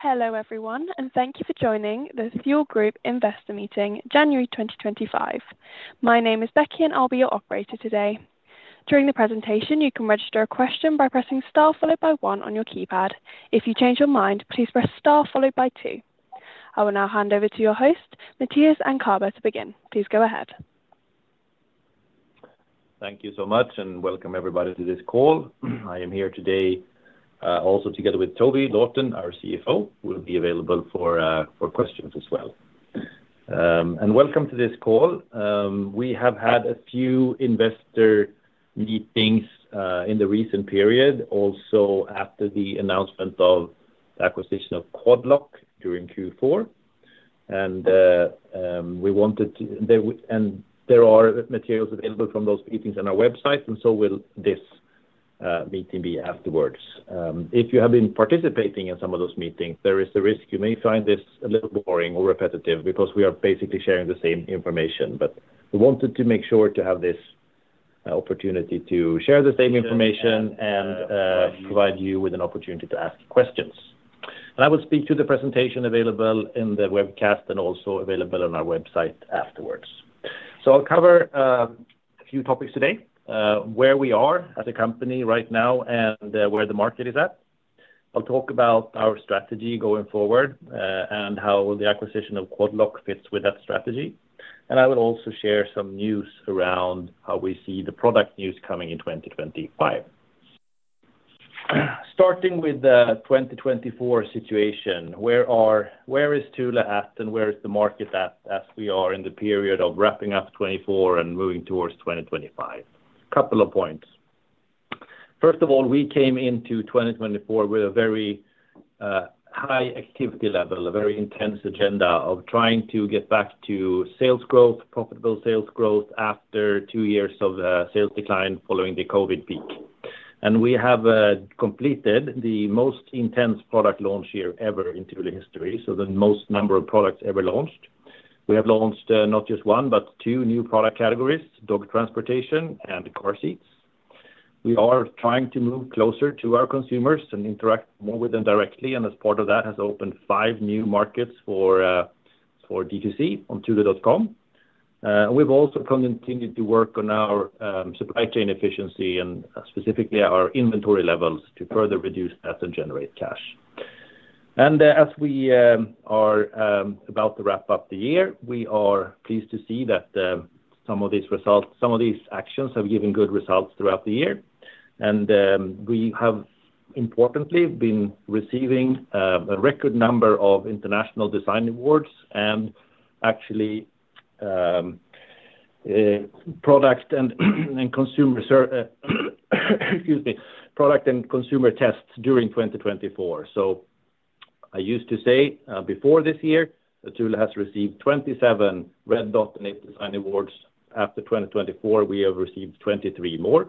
Hello everyone, and thank you for joining the Thule Group Investor Meeting, January 2025. My name is Becky, and I'll be your operator today. During the presentation, you can register a question by pressing star followed by one on your keypad. If you change your mind, please press star followed by two. I will now hand over to your host, Mattias Ankarberg, to begin. Please go ahead. Thank you so much, and welcome everybody to this call. I am here today also together with Toby Lawton, our CFO, who will be available for questions as well, and welcome to this call. We have had a few investor meetings in the recent period, also after the announcement of the acquisition of Quad Lock during Q4, and we wanted to. There are materials available from those meetings on our website, and so will this meeting be afterwards. If you have been participating in some of those meetings, there is a risk you may find this a little boring or repetitive because we are basically sharing the same information. We wanted to make sure to have this opportunity to share the same information and provide you with an opportunity to ask questions. I will speak to the presentation available in the webcast and also available on our website afterwards. So I'll cover a few topics today: where we are as a company right now and where the market is at. I'll talk about our strategy going forward and how the acquisition of Quad Lock fits with that strategy. And I will also share some news around how we see the product news coming in 2025. Starting with the 2024 situation, where is Thule at, and where is the market at as we are in the period of wrapping up 2024 and moving towards 2025? A couple of points. First of all, we came into 2024 with a very high activity level, a very intense agenda of trying to get back to sales growth, profitable sales growth after two years of sales decline following the COVID peak. And we have completed the most intense product launch year ever in Thule history, so the most number of products ever launched. We have launched not just one, but two new product categories: dog transportation and car seats. We are trying to move closer to our consumers and interact more with them directly, and as part of that has opened five new markets for D2C on thule.com. We've also continued to work on our supply chain efficiency and specifically our inventory levels to further reduce that and generate cash, and as we are about to wrap up the year, we are pleased to see that some of these results, some of these actions have given good results throughout the year, and we have importantly been receiving a record number of international design awards and actually product and consumer, excuse me, product and consumer tests during 2024, so I used to say before this year that Thule has received 27 Red Dot and eight design awards. After 2024, we have received 23 more.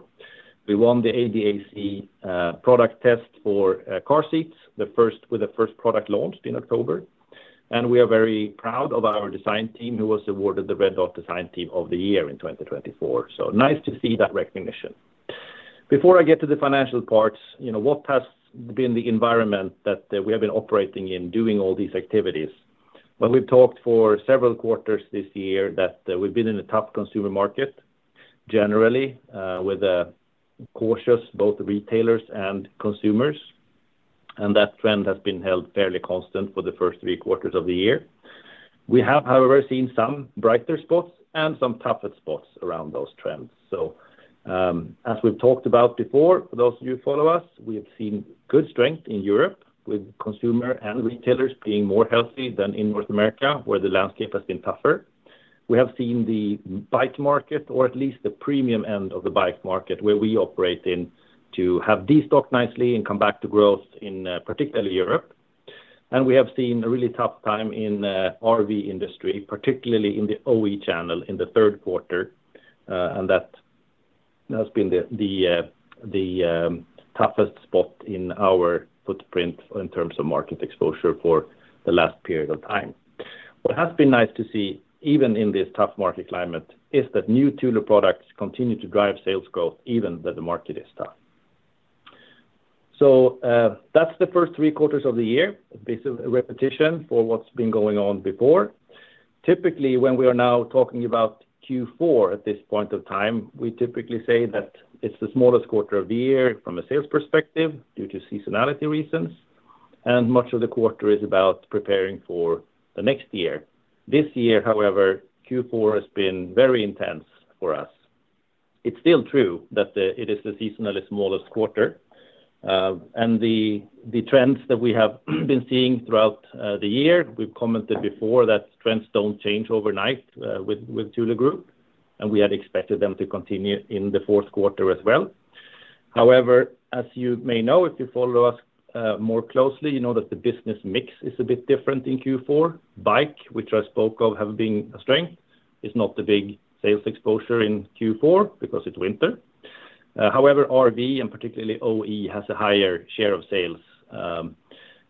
We won the ADAC product test for car seats, the first with the first product launched in October. And we are very proud of our design team who was awarded the Red Dot Design Team of the Year in 2024. So nice to see that recognition. Before I get to the financial parts, what has been the environment that we have been operating in doing all these activities? Well, we've talked for several quarters this year that we've been in a tough consumer market generally with cautious both retailers and consumers. And that trend has been held fairly constant for the first three quarters of the year. We have, however, seen some brighter spots and some tougher spots around those trends. So as we've talked about before, for those of you who follow us, we have seen good strength in Europe with consumer and retailers being more healthy than in North America where the landscape has been tougher. We have seen the bike market, or at least the premium end of the bike market where we operate in, to have destocked nicely and come back to growth in particularly Europe. And we have seen a really tough time in the RV industry, particularly in the OE channel in the third quarter. And that has been the toughest spot in our footprint in terms of market exposure for the last period of time. What has been nice to see even in this tough market climate is that new Thule products continue to drive sales growth even though the market is tough. So that's the first three quarters of the year. It's a bit of a repetition for what's been going on before. Typically, when we are now talking about Q4 at this point of time, we typically say that it's the smallest quarter of the year from a sales perspective due to seasonality reasons. And much of the quarter is about preparing for the next year. This year, however, Q4 has been very intense for us. It's still true that it is the seasonally smallest quarter. And the trends that we have been seeing throughout the year, we've commented before that trends don't change overnight with Thule Group. And we had expected them to continue in the fourth quarter as well. However, as you may know, if you follow us more closely, you know that the business mix is a bit different in Q4. Bike, which I spoke of, has been a strength. It's not the big sales exposure in Q4 because it's winter. However, RV and particularly OE has a higher share of sales.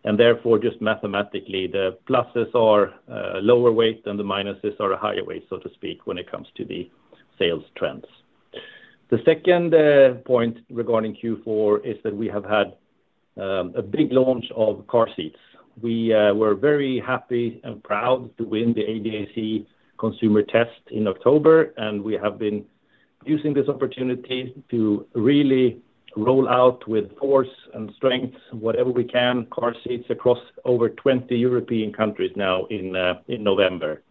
And therefore, just mathematically, the pluses are lower weight and the minuses are a higher weight, so to speak, when it comes to the sales trends. The second point regarding Q4 is that we have had a big launch of car seats. We were very happy and proud to win the ADAC consumer test in October. And we have been using this opportunity to really roll out with force and strength whatever we can, car seats across over 20 European countries now in November.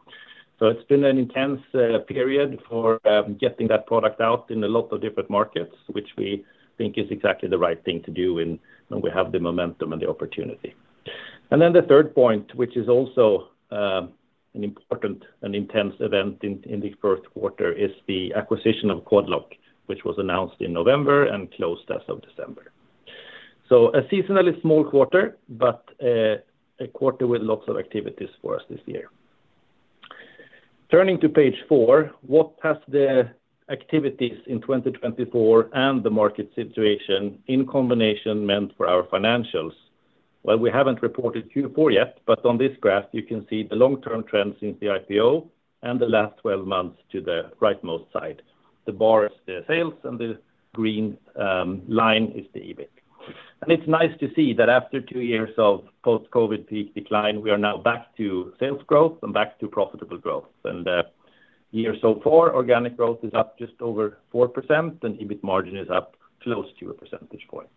So it's been an intense period for getting that product out in a lot of different markets, which we think is exactly the right thing to do when we have the momentum and the opportunity. Then the third point, which is also an important and intense event in the first quarter, is the acquisition of Quad Lock, which was announced in November and closed as of December. A seasonally small quarter, but a quarter with lots of activities for us this year. Turning to page four, what has the activities in 2024 and the market situation in combination meant for our financials? We haven't reported Q4 yet, but on this graph, you can see the long-term trend since the IPO and the last 12 months to the rightmost side. The bar is the sales and the green line is the EBIT. It's nice to see that after two years of post-COVID peak decline, we are now back to sales growth and back to profitable growth. And the year so far, organic growth is up just over 4%, and EBIT margin is up close to a percentage point.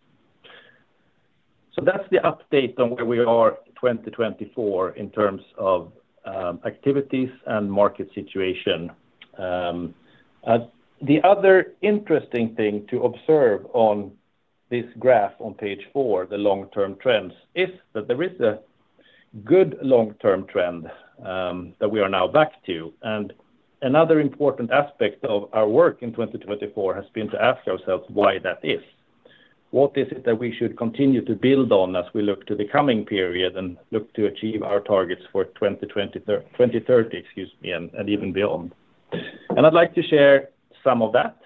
So that's the update on where we are in 2024 in terms of activities and market situation. The other interesting thing to observe on this graph on page four, the long-term trends, is that there is a good long-term trend that we are now back to. And another important aspect of our work in 2024 has been to ask ourselves why that is. What is it that we should continue to build on as we look to the coming period and look to achieve our targets for 2030, excuse me, and even beyond? And I'd like to share some of that,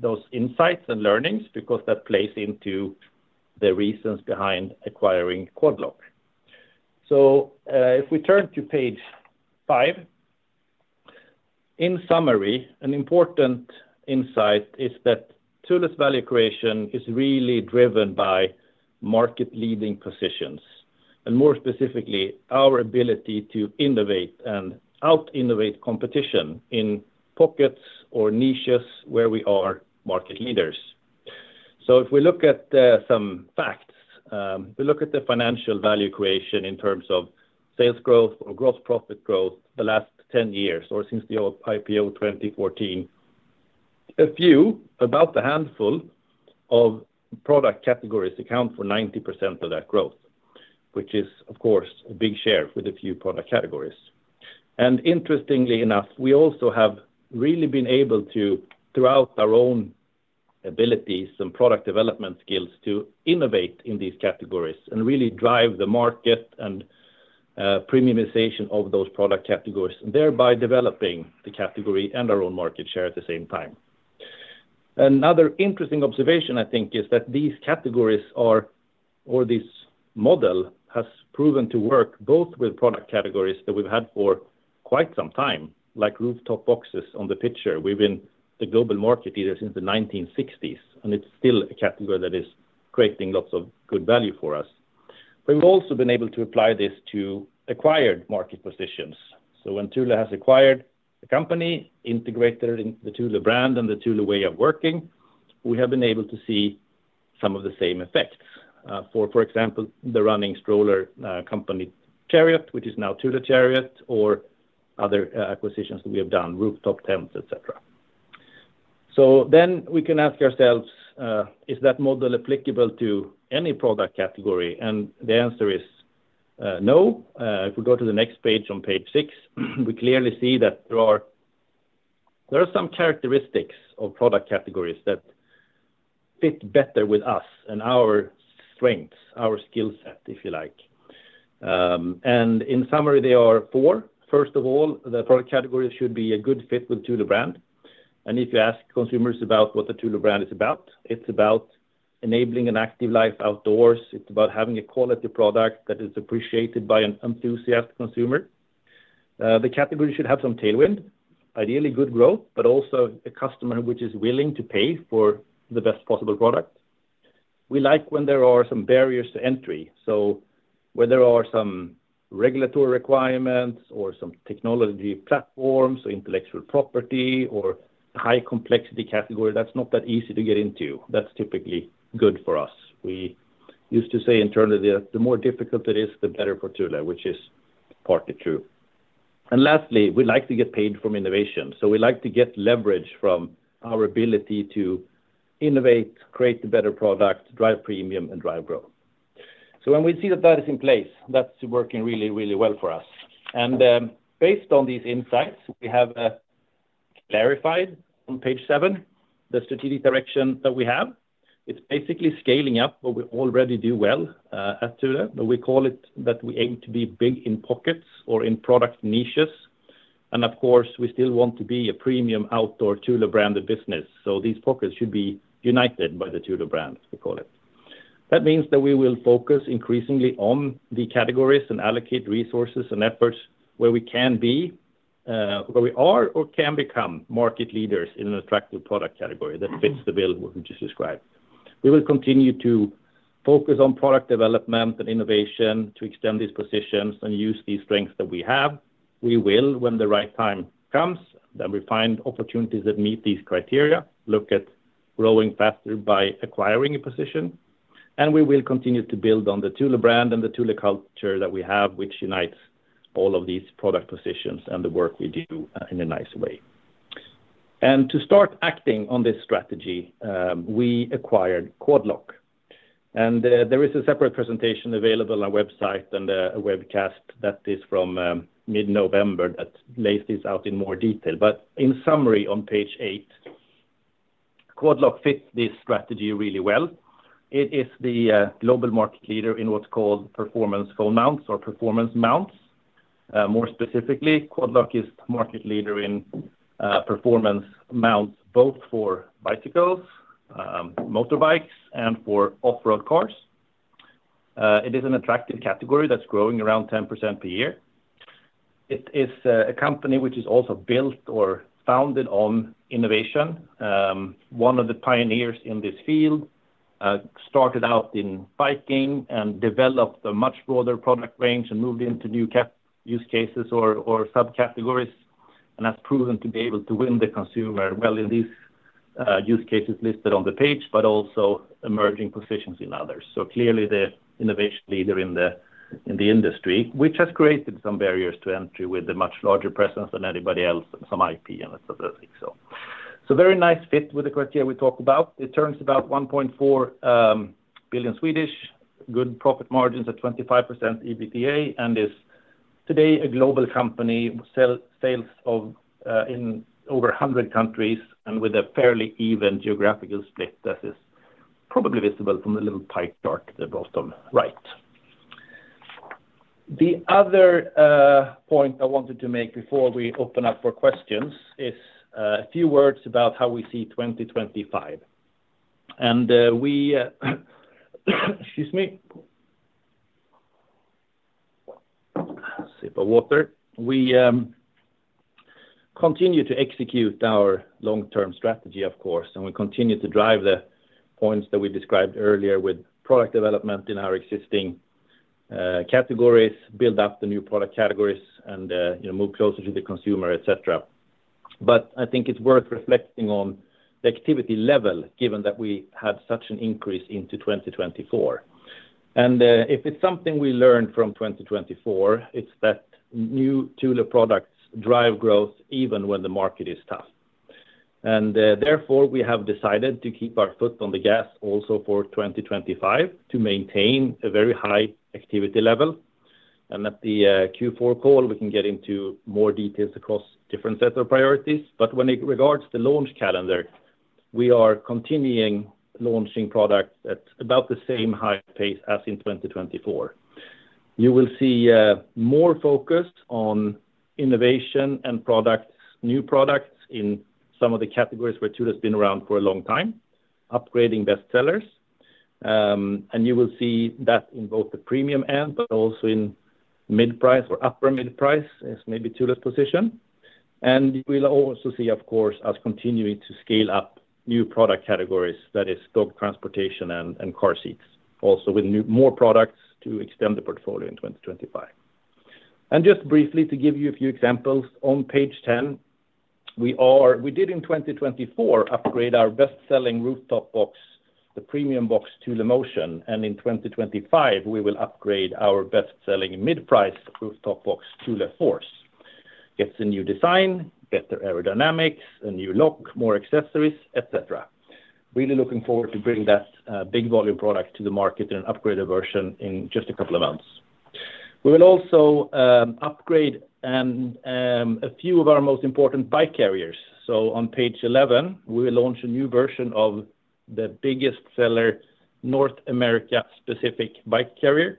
those insights and learnings, because that plays into the reasons behind acquiring Quad Lock. So if we turn to page five, in summary, an important insight is that Thule's value creation is really driven by market-leading positions. And more specifically, our ability to innovate and out-innovate competition in pockets or niches where we are market leaders. So if we look at some facts, we look at the financial value creation in terms of sales growth or gross profit growth the last 10 years or since the IPO 2014, a few, about a handful of product categories account for 90% of that growth, which is, of course, a big share with a few product categories. And interestingly enough, we also have really been able to, throughout our own abilities and product development skills, to innovate in these categories and really drive the market and premiumization of those product categories, thereby developing the category and our own market share at the same time. Another interesting observation, I think, is that these categories or this model has proven to work both with product categories that we've had for quite some time, like rooftop boxes on the picture. We've been the global market leader since the 1960s, and it's still a category that is creating lots of good value for us. But we've also been able to apply this to acquired market positions. So when Thule has acquired a company, integrated it into the Thule brand and the Thule way of working, we have been able to see some of the same effects for example, the running stroller company Chariot, which is now Thule Chariot, or other acquisitions that we have done, rooftop tents, etc. So then we can ask ourselves, is that model applicable to any product category? And the answer is no. If we go to the next page on page six, we clearly see that there are some characteristics of product categories that fit better with us and our strengths, our skill set, if you like. And in summary, there are four. First of all, the product category should be a good fit with Thule brand. And if you ask consumers about what the Thule brand is about, it's about enabling an active life outdoors. It's about having a quality product that is appreciated by an enthusiast consumer. The category should have some tailwind, ideally good growth, but also a customer which is willing to pay for the best possible product. We like when there are some barriers to entry. So where there are some regulatory requirements or some technology platforms or intellectual property or high complexity category, that's not that easy to get into. That's typically good for us. We used to say internally that the more difficult it is, the better for Thule, which is partly true. And lastly, we like to get paid from innovation. So we like to get leverage from our ability to innovate, create a better product, drive premium, and drive growth. So when we see that that is in place, that's working really, really well for us. And based on these insights, we have clarified on page seven the strategic direction that we have. It's basically scaling up what we already do well at Thule. We call it that we aim to be big in pockets or in product niches. And of course, we still want to be a premium outdoor Thule branded business. So these pockets should be united by the Thule brand, we call it. That means that we will focus increasingly on the categories and allocate resources and efforts where we can be, where we are or can become market leaders in an attractive product category that fits the bill we've just described. We will continue to focus on product development and innovation to extend these positions and use these strengths that we have. We will, when the right time comes, then we find opportunities that meet these criteria, look at growing faster by acquiring a position. And we will continue to build on the Thule brand and the Thule culture that we have, which unites all of these product positions and the work we do in a nice way. And to start acting on this strategy, we acquired Quad Lock. And there is a separate presentation available on our website and a webcast that is from mid-November that lays this out in more detail. In summary, on page eight, Quad Lock fits this strategy really well. It is the global market leader in what's called performance phone mounts or performance mounts. More specifically, Quad Lock is the market leader in performance mounts both for bicycles, motorbikes, and for off-road cars. It is an attractive category that's growing around 10% per year. It is a company which is also built or founded on innovation. One of the pioneers in this field started out in biking and developed a much broader product range and moved into new use cases or subcategories and has proven to be able to win the consumer well in these use cases listed on the page, but also emerging positions in others. So clearly, the innovation leader in the industry, which has created some barriers to entry with a much larger presence than anybody else, some IP and etc. It's a very nice fit with the criteria we talk about. It turns about 1.4 billion, good profit margins at 25% EBITDA, and is today a global company with sales in over 100 countries and with a fairly even geographical split that is probably visible from the little pie chart at the bottom right. The other point I wanted to make before we open up for questions is a few words about how we see 2025. We, excuse me, sip of water, continue to execute our long-term strategy, of course, and we continue to drive the points that we described earlier with product development in our existing categories, build up the new product categories, and move closer to the consumer, etc. I think it's worth reflecting on the activity level given that we had such an increase into 2024. If it's something we learned from 2024, it's that new Thule products drive growth even when the market is tough. Therefore, we have decided to keep our foot on the gas also for 2025 to maintain a very high activity level. At the Q4 call, we can get into more details across different sets of priorities. When it regards the launch calendar, we are continuing launching products at about the same high pace as in 2024. You will see more focus on innovation and new products in some of the categories where Thule has been around for a long time, upgrading bestsellers. You will see that in both the premium end, but also in mid-price or upper mid-price is maybe Thule's position. You will also see, of course, us continuing to scale up new product categories that is dog transportation and car seats, also with more products to extend the portfolio in 2025. Just briefly, to give you a few examples, on page 10, we did in 2024 upgrade our best-selling rooftop box, the premium box Thule Motion. In 2025, we will upgrade our best-selling mid-price rooftop box Thule Force. It's a new design, better aerodynamics, a new look, more accessories, etc. Really looking forward to bringing that big volume product to the market in an upgraded version in just a couple of months. We will also upgrade a few of our most important bike carriers. On page 11, we will launch a new version of the biggest seller North America-specific bike carrier.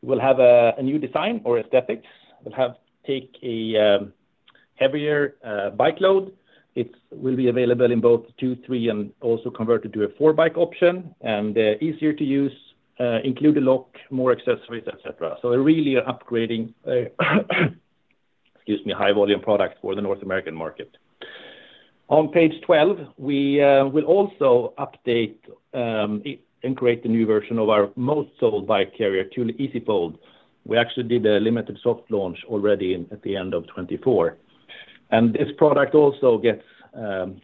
We'll have a new design or aesthetics. It'll take a heavier bike load. It will be available in both two, three, and also converted to a four-bike option and easier to use, include a lock, more accessories, etc. So we're really upgrading, excuse me, high-volume product for the North American market. On page 12, we will also update and create a new version of our most sold bike carrier, Thule EasyFold. We actually did a limited soft launch already at the end of 2024, and this product also gets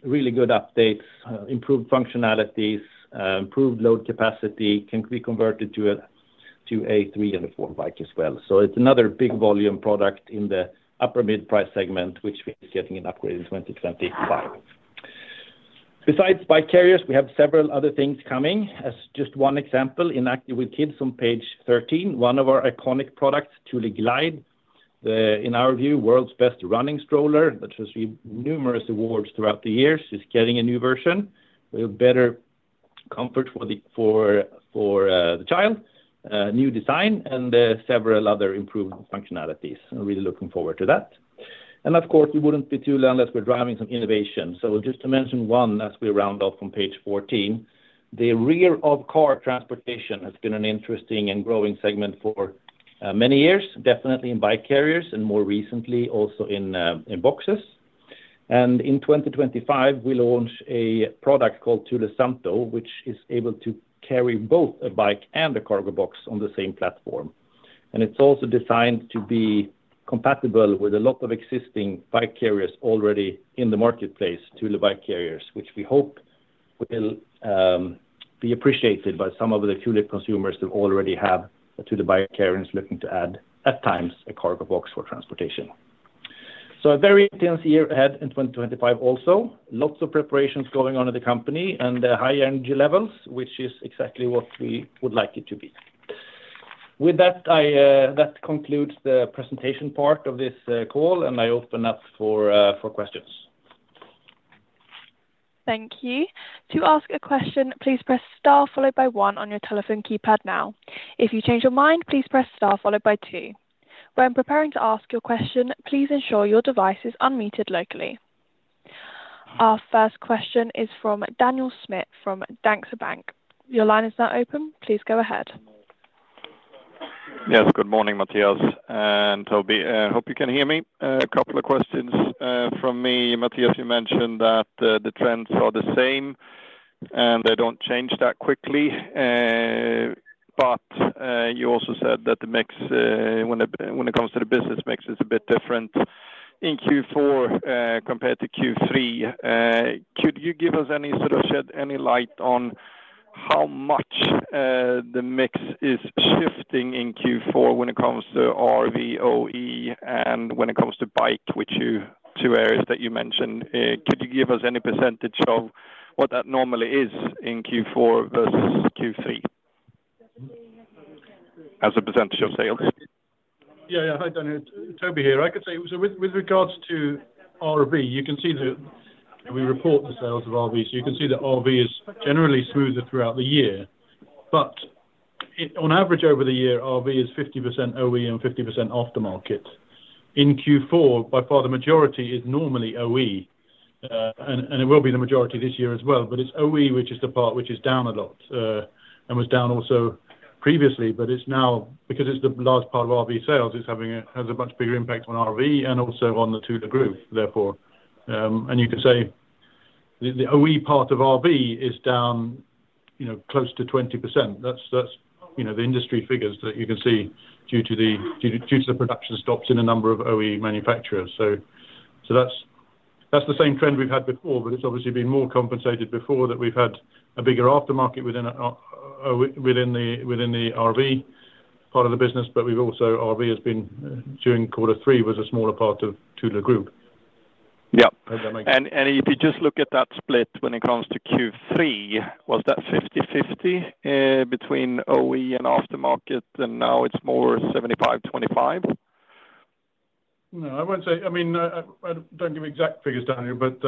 really good updates, improved functionalities, improved load capacity, can be converted to a three and a four-bike as well. So it's another big volume product in the upper mid-price segment, which we're getting an upgrade in 2025. Besides bike carriers, we have several other things coming. As just one example, Active with Kids & Dogs on page 13, one of our iconic products, Thule Glide, in our view, world's best running stroller, which has received numerous awards throughout the years, is getting a new version with better comfort for the child, new design, and several other improved functionalities. I'm really looking forward to that. And of course, we wouldn't be Thule unless we're driving some innovation. So just to mention one as we round off on page 14, the rear of car transportation has been an interesting and growing segment for many years, definitely in bike carriers and more recently also in boxes. And in 2025, we launch a product called Thule Vanto, which is able to carry both a bike and a cargo box on the same platform. And it's also designed to be compatible with a lot of existing bike carriers already in the marketplace, Thule bike carriers, which we hope will be appreciated by some of the Thule consumers that already have a Thule bike carrier looking to add, at times, a cargo box for transportation. So a very intense year ahead in 2025 also, lots of preparations going on at the company and high energy levels, which is exactly what we would like it to be. With that, that concludes the presentation part of this call, and I open up for questions. Thank you. To ask a question, please press star followed by one on your telephone keypad now. If you change your mind, please press star followed by two. When preparing to ask your question, please ensure your device is unmuted locally. Our first question is from Daniel Schmidt from Danske Bank. Your line is now open. Please go ahead. Yes, good morning, Mattias, and I hope you can hear me. A couple of questions from me. Mattias, you mentioned that the trends are the same and they don't change that quickly, but you also said that the mix, when it comes to the business mix, is a bit different in Q4 compared to Q3. Could you give us any sort of shed any light on how much the mix is shifting in Q4 when it comes to RV, OE, and when it comes to bike, which are two areas that you mentioned? Could you give us any percentage of what that normally is in Q4 versus Q3? As a percentage of sales? Yeah, yeah. Hi, Daniel. Toby here. I could say, so with regards to RV, you can see that we report the sales of RV. You can see that RV is generally smoother throughout the year. But on average, over the year, RV is 50% OE and 50% aftermarket. In Q4, by far the majority is normally OE. And it will be the majority this year as well. But it's OE, which is the part which is down a lot and was down also previously. But it's now, because it's the large part of RV sales, it has a much bigger impact on RV and also on the Thule Group, therefore. And you can say the OE part of RV is down close to 20%. That's the industry figures that you can see due to the production stops in a number of OE manufacturers. So that's the same trend we've had before, but it's obviously been more compensated before that we've had a bigger aftermarket within the RV part of the business. But we've also, RV has been during quarter three, was a smaller part of Thule Group. Yeah. And if you just look at that split when it comes to Q3, was that 50-50 between OE and aftermarket, and now it's more 75-25? No, I won't say. I mean, I don't give exact figures, Daniel, but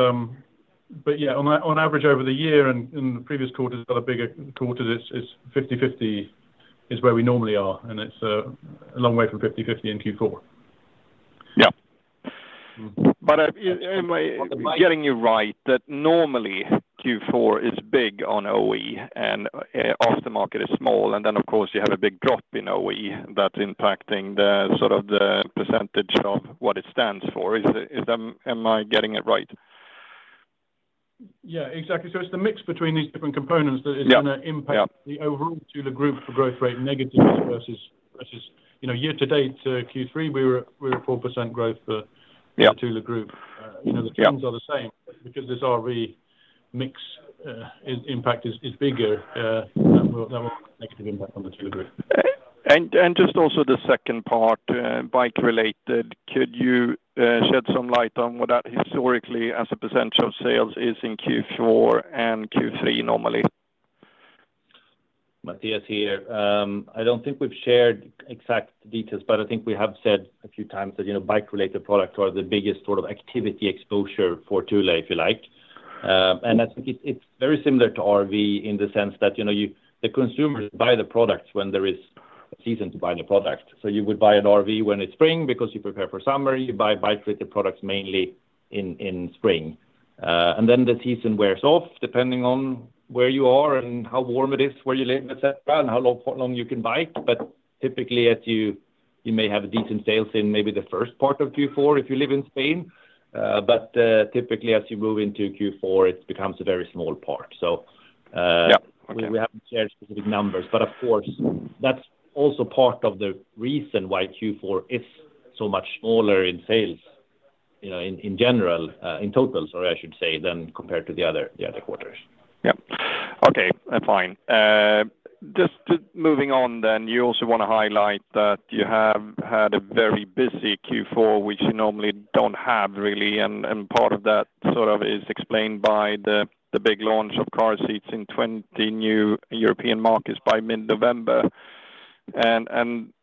yeah, on average over the year and the previous quarters, other bigger quarters, it's 50-50 is where we normally are. And it's a long way from 50-50 in Q4. Yeah, but am I getting you right that normally Q4 is big on OE and aftermarket is small, and then, of course, you have a big drop in OE that's impacting sort of the percentage of what it stands for? Am I getting it right? Yeah, exactly. So it's the mix between these different components that is going to impact the overall Thule Group growth rate negatively versus year-to-date Q3. We were at 4% growth for the Thule Group. The trends are the same because this RV mix impact is bigger, and that will have a negative impact on the Thule Group. And just also the second part, bike-related, could you shed some light on what that historically as a percentage of sales is in Q4 and Q3 normally? Mattias here. I don't think we've shared exact details, but I think we have said a few times that bike-related products are the biggest sort of activity exposure for Thule, if you like. And I think it's very similar to RV in the sense that the consumers buy the products when there is a season to buy the product. So you would buy an RV when it's spring because you prepare for summer. You buy bike-related products mainly in spring. And then the season wears off depending on where you are and how warm it is where you live, etc., and how long you can bike. But typically, you may have decent sales in maybe the first part of Q4 if you live in Spain. But typically, as you move into Q4, it becomes a very small part. So we haven't shared specific numbers. But of course, that's also part of the reason why Q4 is so much smaller in sales in general, in total, sorry, I should say, than compared to the other quarters. Yeah. Okay. That's fine. Just moving on then, you also want to highlight that you have had a very busy Q4, which you normally don't have really. And part of that sort of is explained by the big launch of car seats in 20 new European markets by mid-November. And am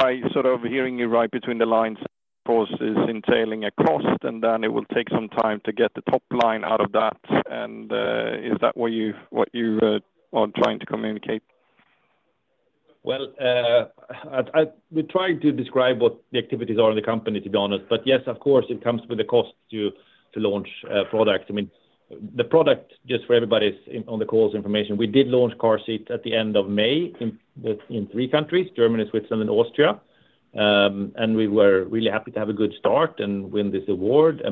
I sort of hearing you right between the lines? Of course, it's entailing a cost, and then it will take some time to get the top line out of that. And is that what you are trying to communicate? Well, we tried to describe what the activities are in the company, to be honest. But yes, of course, it comes with a cost to launch products. I mean, the product, just for everybody on the call's information, we did launch car seats at the end of May in three countries, Germany, Switzerland, and Austria. And we were really happy to have a good start and win this award.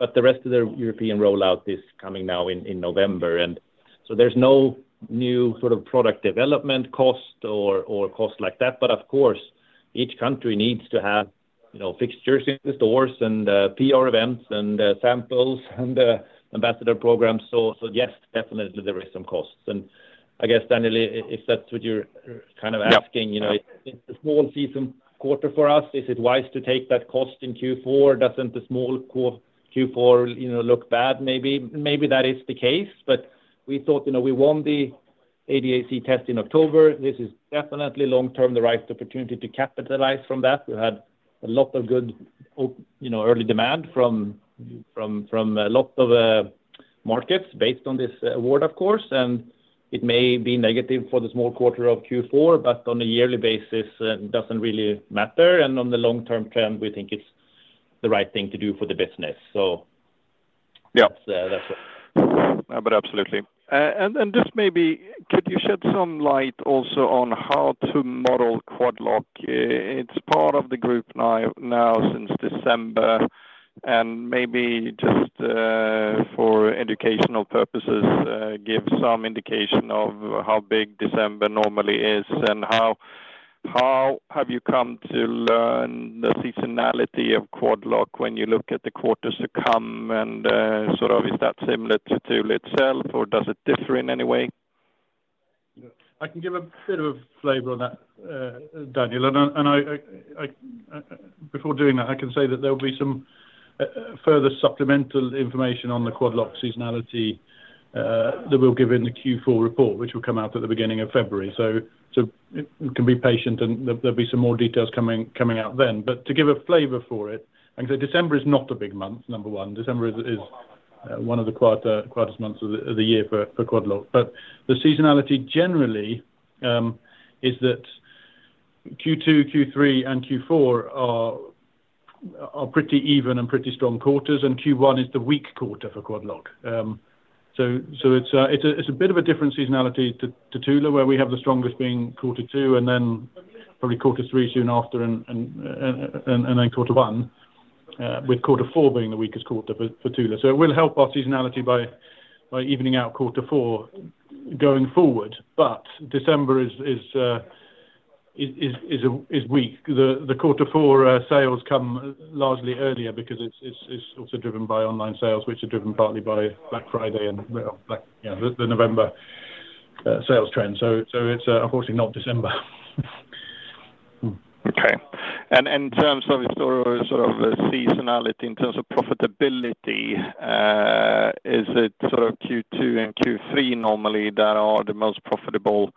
But the rest of the European rollout is coming now in November. And so there's no new sort of product development cost or cost like that. But of course, each country needs to have fixtures in the stores and PR events and samples and ambassador programs. So yes, definitely, there are some costs. And I guess, Daniel, if that's what you're kind of asking, it's a small season quarter for us. Is it wise to take that cost in Q4? Doesn't the small Q4 look bad? Maybe that is the case. But we thought we won the ADAC test in October. This is definitely long-term the right opportunity to capitalize from that. We've had a lot of good early demand from lots of markets based on this award, of course. And it may be negative for the small quarter of Q4, but on a yearly basis, it doesn't really matter. On the long-term trend, we think it's the right thing to do for the business. So that's what. absolutely. And then just maybe, could you shed some light also on how to model Quad Lock? It's part of the group now since December. And maybe just for educational purposes, give some indication of how big December normally is and how have you come to learn the seasonality of Quad Lock when you look at the quarters to come? And sort of is that similar to Thule itself, or does it differ in any way? I can give a bit of a flavor on that, Daniel. And before doing that, I can say that there will be some further supplemental information on the Quad Lock seasonality that we'll give in the Q4 report, which will come out at the beginning of February. So you can be patient, and there'll be some more details coming out then. But to give a flavor for it, I can say December is not a big month, number one. December is one of the quietest months of the year for Quad Lock. But the seasonality generally is that Q2, Q3, and Q4 are pretty even and pretty strong quarters. And Q1 is the weak quarter for Quad Lock. So it's a bit of a different seasonality to Thule, where we have the strongest being quarter two and then probably quarter three soon after and then quarter one, with quarter four being the weakest quarter for Thule. So it will help our seasonality by evening out quarter four going forward. But December is weak. The quarter four sales come largely earlier because it's also driven by online sales, which are driven partly by Black Friday and the November sales trend. It's unfortunately not December. Okay. And in terms of sort of seasonality, in terms of profitability, is it sort of Q2 and Q3 normally that are the most profitable,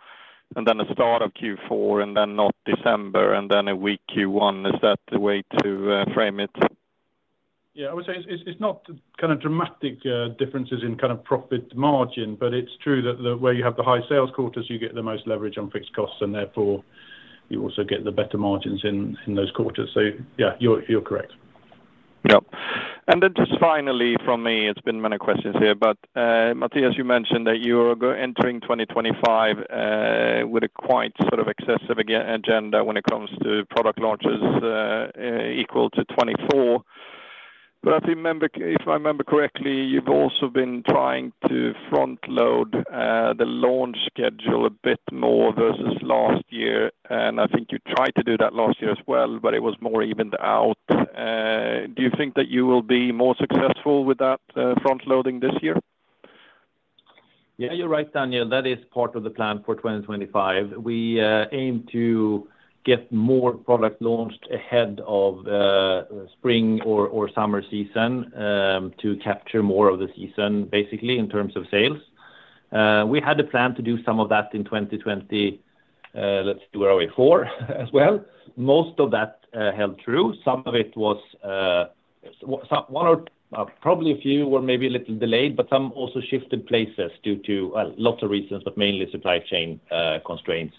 and then the start of Q4, and then not December, and then a weak Q1? Is that the way to frame it? Yeah. I would say it's not kind of dramatic differences in kind of profit margin, but it's true that where you have the high sales quarters, you get the most leverage on fixed costs, and therefore, you also get the better margins in those quarters. So yeah, you're correct. Yep. And then just finally from me, it's been many questions here. But Mattias, you mentioned that you are entering 2025 with a quite sort of excessive agenda when it comes to product launches equal to 2024. But if I remember correctly, you've also been trying to front-load the launch schedule a bit more versus last year. And I think you tried to do that last year as well, but it was more evened out. Do you think that you will be more successful with that front-loading this year? Yeah, you're right, Daniel. That is part of the plan for 2025. We aim to get more products launched ahead of spring or summer season to capture more of the season, basically, in terms of sales. We had a plan to do some of that in 2024. And in 2025 as well. Most of that held true. Some of it was one or probably a few were maybe a little delayed, but some also shifted places due to, well, lots of reasons, but mainly supply chain constraints.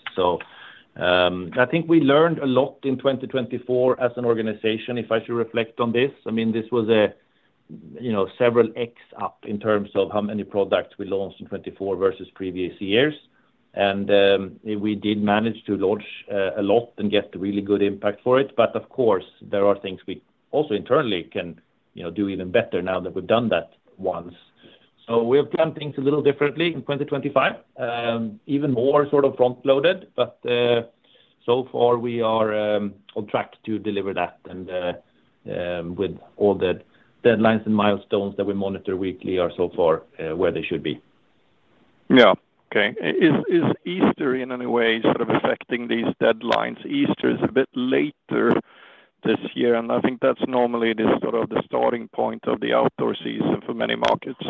So I think we learned a lot in 2024 as an organization, if I should reflect on this. I mean, this was several X up in terms of how many products we launched in 2024 versus previous years. And we did manage to launch a lot and get a really good impact for it. But of course, there are things we also internally can do even better now that we've done that once. So we have done things a little differently in 2025, even more sort of front-loaded. But so far, we are on track to deliver that. And with all the deadlines and milestones that we monitor weekly are so far where they should be. Yeah. Okay. Is Easter in any way sort of affecting these deadlines? Easter is a bit later this year. And I think that's normally sort of the starting point of the outdoor season for many markets.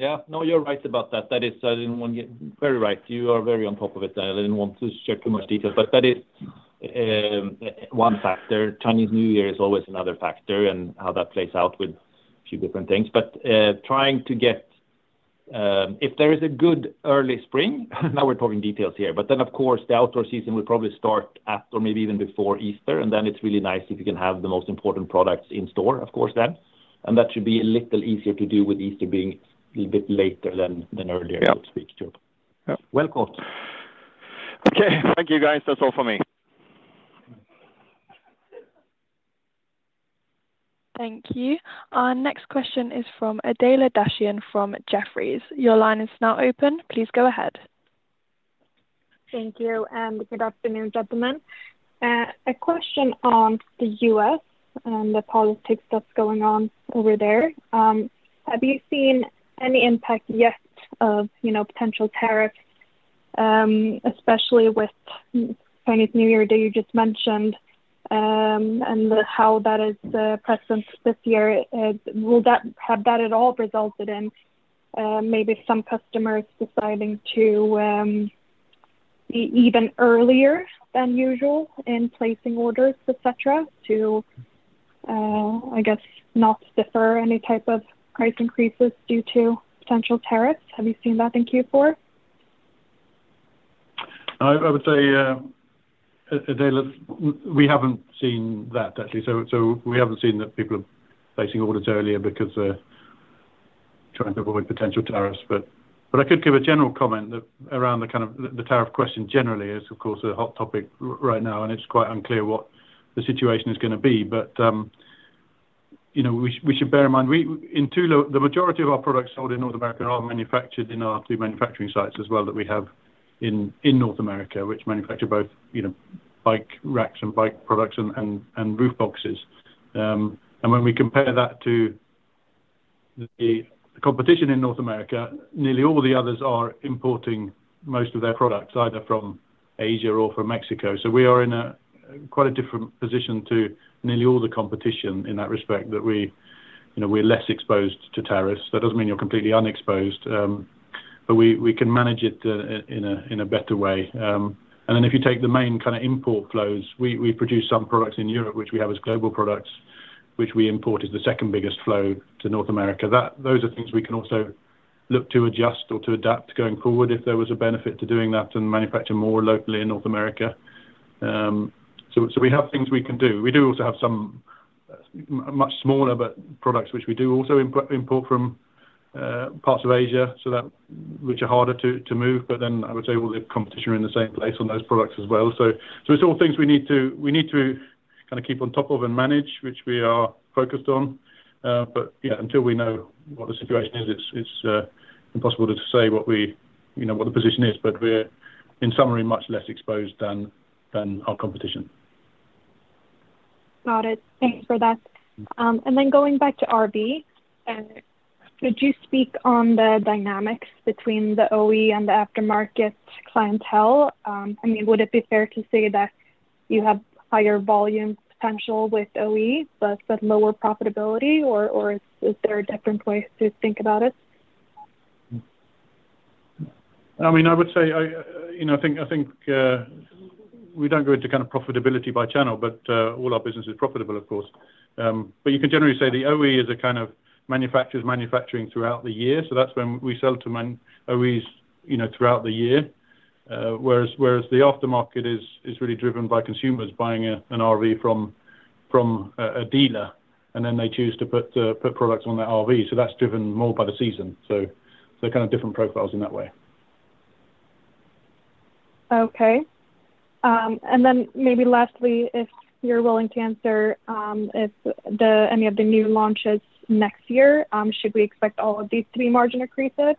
Yeah. No, you're right about that. That is, I didn't want to get very right. You are very on top of it, Daniel. I didn't want to check too much detail. But that is one factor. Chinese New Year is always another factor and how that plays out with a few different things. But trying to get if there is a good early spring, now we're talking details here. But then, of course, the outdoor season will probably start at or maybe even before Easter. And then it's really nice if you can have the most important products in store, of course, then. And that should be a little easier to do with Easter being a little bit later than earlier, so to speak. Well caught. Okay. Thank you, guys. That's all for me. Thank you. Our next question is from Adela Dashian from Jefferies. Your line is now open. Please go ahead. Thank you. And good afternoon, gentlemen. A question on the U.S. and the politics that's going on over there. Have you seen any impact yet of potential tariffs, especially with Chinese New Year that you just mentioned and how that is present this year? Have that at all resulted in maybe some customers deciding to be even earlier than usual in placing orders, etc., to, I guess, not defer any type of price increases due to potential tariffs? Have you seen that in Q4? I would say, Adela, we haven't seen that, actually. So we haven't seen that people are placing orders earlier because they're trying to avoid potential tariffs. But I could give a general comment around the kind of the tariff question generally is, of course, a hot topic right now, and it's quite unclear what the situation is going to be. But we should bear in mind, in Thule, the majority of our products sold in North America are manufactured in our two manufacturing sites as well that we have in North America, which manufacture both bike racks and bike products and roof boxes. And when we compare that to the competition in North America, nearly all the others are importing most of their products either from Asia or from Mexico. So we are in quite a different position to nearly all the competition in that respect that we're less exposed to tariffs. That doesn't mean you're completely unexposed, but we can manage it in a better way. And then if you take the main kind of import flows, we produce some products in Europe, which we have as global products, which we import as the second biggest flow to North America. Those are things we can also look to adjust or to adapt going forward if there was a benefit to doing that and manufacturing more locally in North America. So we have things we can do. We do also have some much smaller products, which we do also import from parts of Asia, which are harder to move. But then I would say all the competition are in the same place on those products as well. So it's all things we need to kind of keep on top of and manage, which we are focused on. But yeah, until we know what the situation is, it's impossible to say what the position is. But we're, in summary, much less exposed than our competition. Got it. Thanks for that. And then going back to RV, could you speak on the dynamics between the OE and the aftermarket clientele? I mean, would it be fair to say that you have higher volume potential with OE, but lower profitability, or is there a different way to think about it? I mean, I would say I think we don't go into kind of profitability by channel, but all our business is profitable, of course. But you can generally say the OE is a kind of manufacturer's manufacturing throughout the year. So that's when we sell to OEs throughout the year, whereas the aftermarket is really driven by consumers buying an RV from a dealer, and then they choose to put products on that RV. So that's driven more by the season. So they're kind of different profiles in that way. Okay. And then maybe lastly, if you're willing to answer any of the new launches next year, should we expect all of these to be margin increases?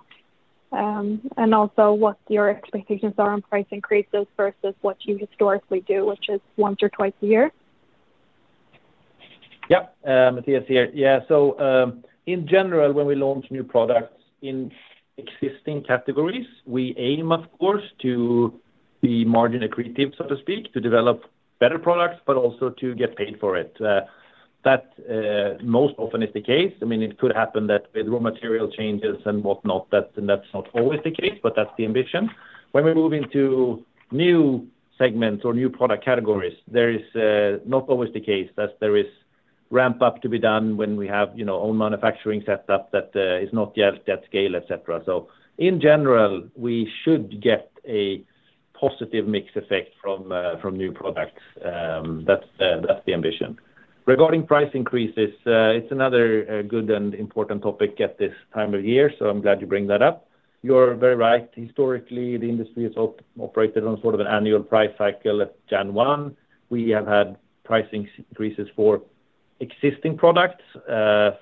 And also what your expectations are on price increases versus what you historically do, which is once or twice a year? Yep. Mattias here. Yeah. So in general, when we launch new products in existing categories, we aim, of course, to be margin accretive, so to speak, to develop better products, but also to get paid for it. That most often is the case. I mean, it could happen that with raw material changes and whatnot, that's not always the case, but that's the ambition. When we move into new segments or new product categories, there is not always the case that there is ramp-up to be done when we have own manufacturing set up that is not yet at scale, etc., so in general, we should get a positive mix effect from new products. That's the ambition. Regarding price increases, it's another good and important topic at this time of year, so I'm glad you bring that up. You're very right. Historically, the industry has operated on sort of an annual price cycle at January 1. We have had pricing increases for existing products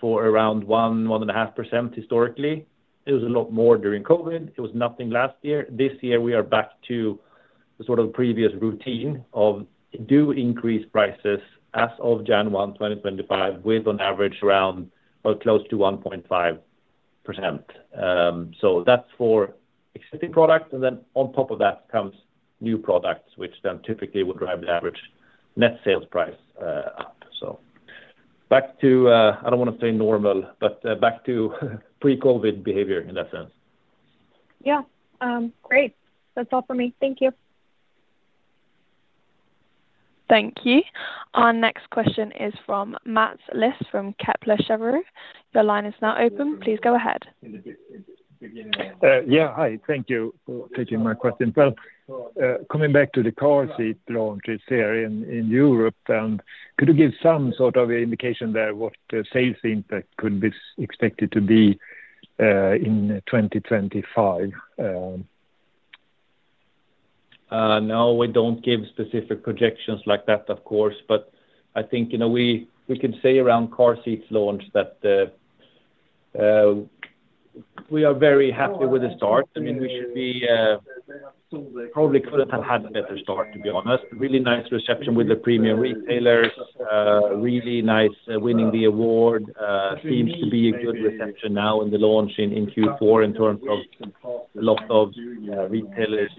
for around 1-1.5% historically. It was a lot more during COVID. It was nothing last year. This year, we are back to sort of the previous routine of do increase prices as of January 1, 2025, with an average around close to 1.5%, so that's for existing products. And then on top of that comes new products, which then typically will drive the average net sales price up. So back to, I don't want to say normal, but back to pre-COVID behavior in that sense. Yeah. Great. That's all for me. Thank you. Thank you. Our next question is from Mats Liss from Kepler Cheuvreux. Your line is now open. Please go ahead. Yeah. Hi. Thank you for taking my question. Well, coming back to the car seat launches here in Europe, could you give some sort of indication there what the sales impact could be expected to be in 2025? No, we don't give specific projections like that, of course. But I think we can say around car seats launch that we are very happy with the start. I mean, we should be probably couldn't have had a better start, to be honest. Really nice reception with the premium retailers. Really nice winning the award. Seems to be a good reception now in the launch in Q4 in terms of a lot of retailers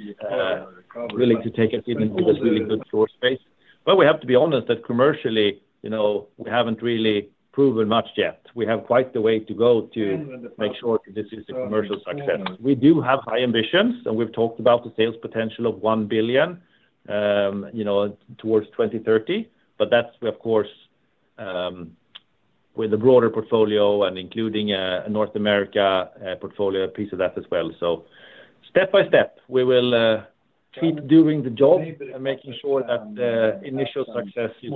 willing to take us in and give us really good floor space. But we have to be honest that commercially, we haven't really proven much yet. We have quite the way to go to make sure that this is a commercial success. We do have high ambitions, and we've talked about the sales potential of one billion towards 2030. But that's, of course, with a broader portfolio and including a North America portfolio, a piece of that as well. So step by step, we will keep doing the job and making sure that initial success is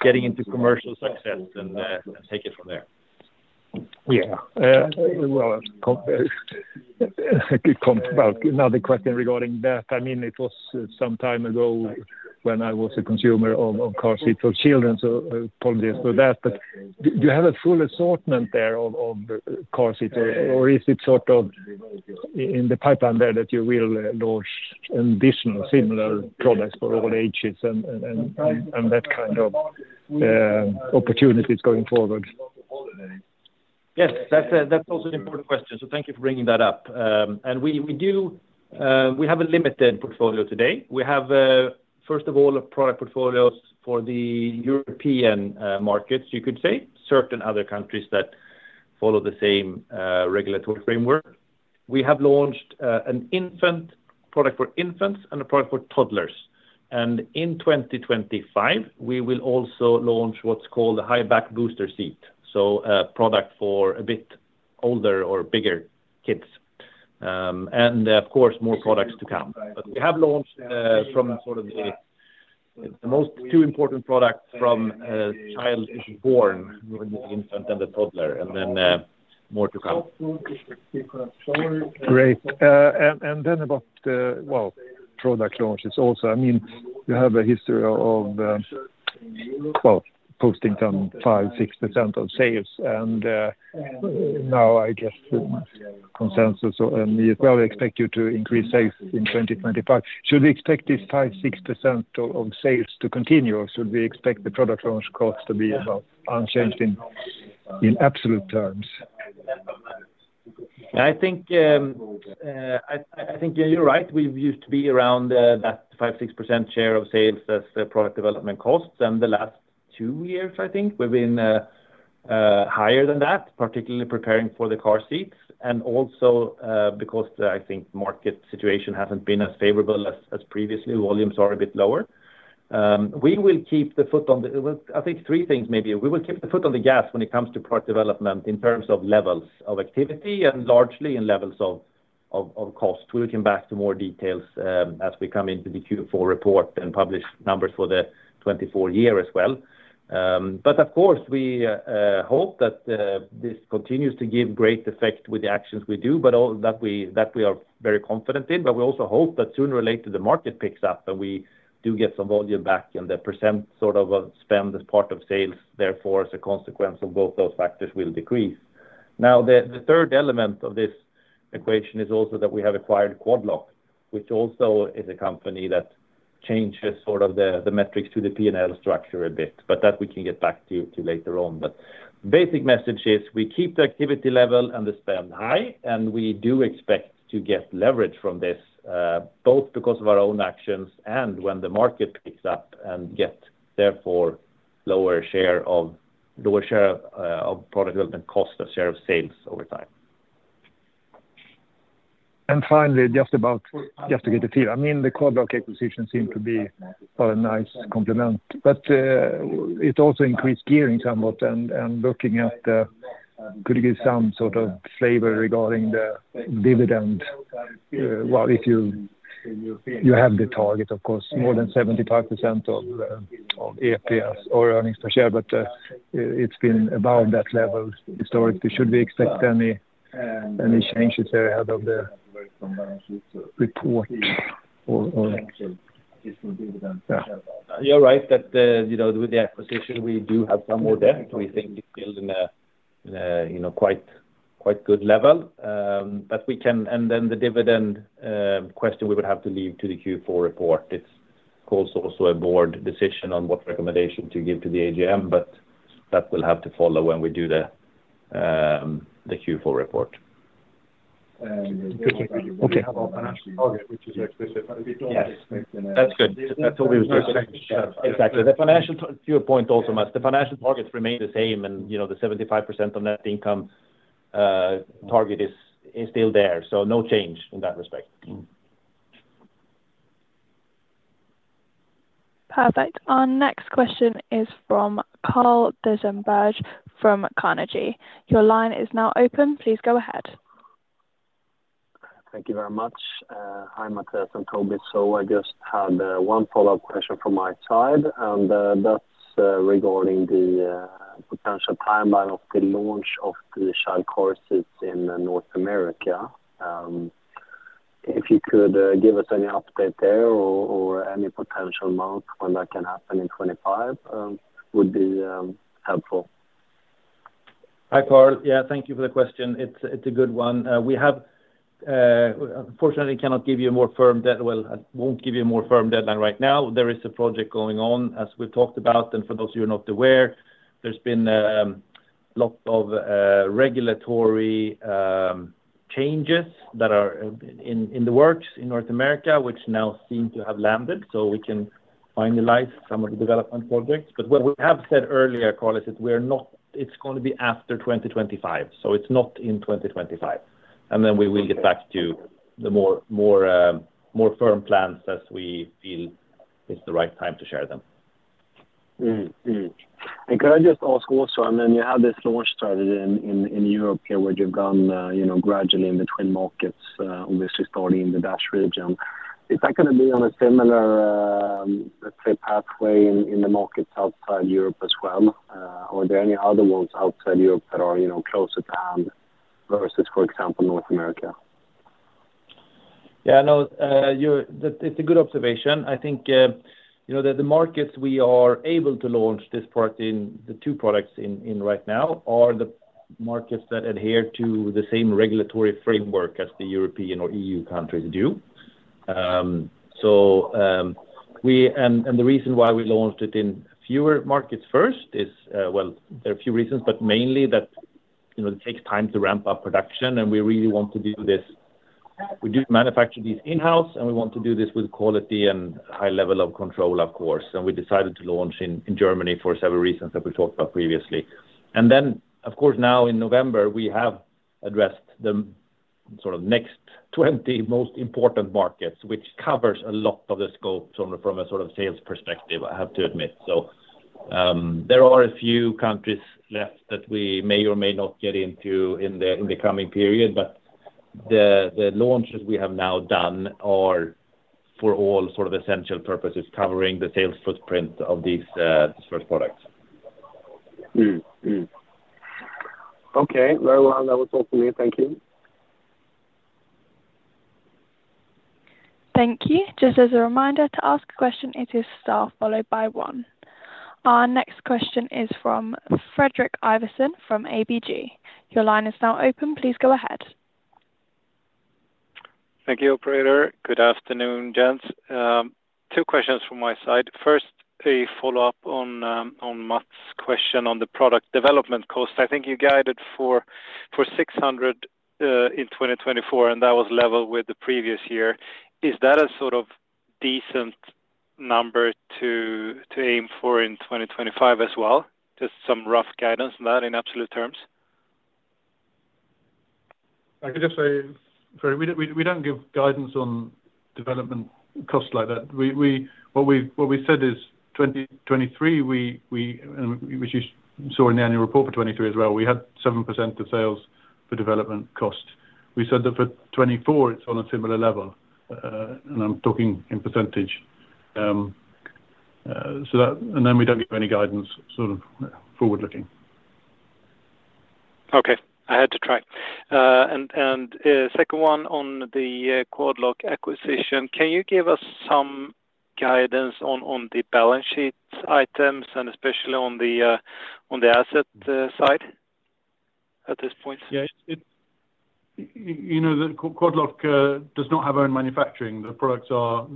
getting into commercial success and take it from there. Yeah. Another question regarding that. I mean, it was some time ago when I was a consumer of car seats for children, so apologies for that. But do you have a full assortment there of car seats, or is it sort of in the pipeline there that you will launch additional similar products for all ages and that kind of opportunities going forward? Yes. That's also an important question. So thank you for bringing that up. And we have a limited portfolio today. We have, first of all, product portfolios for the European markets, you could say, certain other countries that follow the same regulatory framework. We have launched an infant product for infants and a product for toddlers. And in 2025, we will also launch what's called a high-back booster seat, so a product for a bit older or bigger kids. And of course, more products to come. But we have launched from sort of the most two important products from child is born, infant and the toddler, and then more to come. Great. And then about, well, product launches also. I mean, you have a history of, well, posting some 5-6% of sales. And now, I guess, consensus on the. Well, we expect you to increase sales in 2025. Should we expect this 5-6% of sales to continue, or should we expect the product launch cost to be about unchanged in absolute terms? I think you're right. We used to be around that 5-6% share of sales as product development costs. And the last two years, I think, we've been higher than that, particularly preparing for the car seats. And also because I think market situation hasn't been as favorable as previously, volumes are a bit lower. We will keep the foot on the, I think, three things maybe. We will keep the foot on the gas when it comes to product development in terms of levels of activity and largely in levels of cost. We'll come back to more details as we come into the Q4 report and publish numbers for the 2024 year as well. But of course, we hope that this continues to give great effect with the actions we do, but that we are very confident in. But we also hope that sooner or later the market picks up and we do get some volume back and the percent sort of spend as part of sales, therefore, as a consequence of both those factors will decrease. Now, the third element of this equation is also that we have acquired Quad Lock, which also is a company that changes sort of the metrics to the P&L structure a bit, but that we can get back to later on. But the basic message is we keep the activity level and the spend high, and we do expect to get leverage from this, both because of our own actions and when the market picks up and get therefore lower share of product development cost, a share of sales over time. And finally, just to get the feel, I mean, the Quad Lock acquisition seemed to be quite a nice complement. But it also increased gearing somewhat. And looking at, could you give some sort of flavor regarding the dividend? Well, if you have the target, of course, more than 75% of EPS or earnings per share, but it's been above that level historically. Should we expect any changes there ahead of the report or? You're right that with the acquisition, we do have some more debt. We think it's still in a quite good level. But we can. And then the dividend question, we would have to leave to the Q4 report. It's also a board decision on what recommendation to give to the AGM, but that will have to follow when we do the Q4 report. Okay. We have our financial target, which is explicit, but we don't expect. That's good. That's what we were just saying. Exactly. The financial viewpoint also must, the financial targets remain the same, and the 75% on net income target is still there. So no change in that respect. Perfect. Our next question is from Carl Deijenberg from Carnegie. Your line is now open. Please go ahead. Thank you very much. Hi, Mattias and Toby. So I just had one follow-up question from my side, and that's regarding the potential timeline of the launch of the child car seats in North America. If you could give us any update there or any potential month when that can happen in 2025 would be helpful. Hi, Carl. Yeah, thank you for the question. It's a good one. We, unfortunately, cannot give you a more firm deadline. Well, I won't give you a more firm deadline right now. There is a project going on, as we've talked about. And for those of you who are not aware, there's been lots of regulatory changes that are in the works in North America, which now seem to have landed. So we can finalize some of the development projects. But what we have said earlier, Carl, is that we're not, it's going to be after 2025. So it's not in 2025. And then we will get back to the more firm plans as we feel it's the right time to share them. And can I just ask also, I mean, you have this launch strategy in Europe here where you've gone gradually in the twin markets, obviously starting in the DACH region. Is that going to be on a similar, let's say, pathway in the markets outside Europe as well? Are there any other ones outside Europe that are closer to hand versus, for example, North America? Yeah. No, it's a good observation. I think that the markets we are able to launch this product in, the two products in right now, are the markets that adhere to the same regulatory framework as the European or EU countries do. And the reason why we launched it in fewer markets first is, well, there are a few reasons, but mainly that it takes time to ramp up production. And we really want to do this. We do manufacture these in-house, and we want to do this with quality and high level of control, of course. And we decided to launch in Germany for several reasons that we talked about previously. And then, of course, now in November, we have addressed the sort of next 20 most important markets, which covers a lot of the scope from a sort of sales perspective, I have to admit. So there are a few countries left that we may or may not get into in the coming period, but the launches we have now done are for all sort of essential purposes, covering the sales footprint of these first products. Okay. Very well. That was all for me. Thank you. Thank you. Just as a reminder to ask a question, it is star followed by one. Our next question is from Fredrik Ivarsson from ABG. Your line is now open. Please go ahead. Thank you, Operator. Good afternoon, gents. Two questions from my side. First, a follow-up on Mats's question on the product development cost. I think you guided for 600 in 2024, and that was level with the previous year. Is that a sort of decent number to aim for in 2025 as well? Just some rough guidance on that in absolute terms. I can just say, sorry, we don't give guidance on development costs like that. What we said is 2023, which you saw in the annual report for 2023 as well, we had 7% of sales for development cost. We said that for 2024, it's on a similar level, and I'm talking in percentage. Then we don't give any guidance sort of forward-looking. kay. I had to try. Second one on the Quad Lock acquisition, can you give us some guidance on the balance sheet items and especially on the asset side at this point? Yeah. Quad Lock does not have own manufacturing. The products are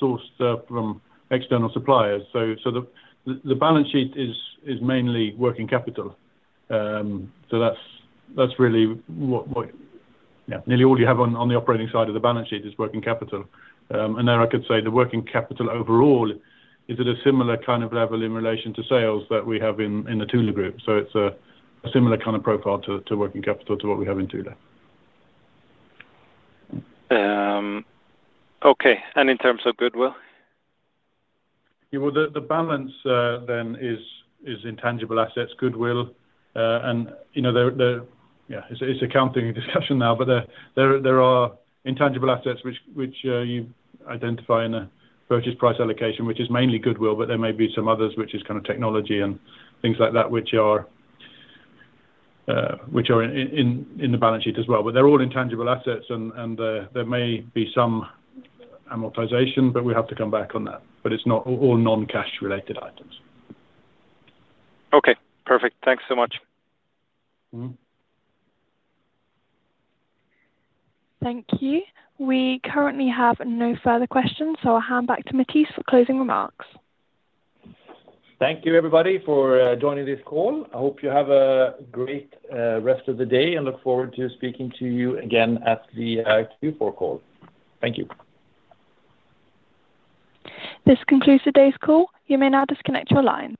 sourced from external suppliers. So the balance sheet is mainly working capital. So that's really what nearly all you have on the operating side of the balance sheet is working capital. Then I could say the working capital overall is at a similar kind of level in relation to sales that we have in the Thule Group. So it's a similar kind of profile to working capital to what we have in Thule. Okay. And in terms of goodwill? The balance sheet then is intangible assets, goodwill. And yeah, it's an accounting discussion now, but there are intangible assets which you identify in a purchase price allocation, which is mainly goodwill, but there may be some others which is kind of technology and things like that which are in the balance sheet as well. But they're all intangible assets, and there may be some amortization, but we have to come back on that. But it's all non-cash-related items. Okay. Perfect. Thanks so much. Thank you. We currently have no further questions, so I'll hand back to Mattias for closing remarks. Thank you, everybody, for joining this call. I hope you have a great rest of the day and look forward to speaking to you again at the Q4 call. Thank you. This concludes today's call. You may now disconnect your line.